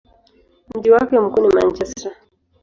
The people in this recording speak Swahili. Mji wake mkuu ni Manchester.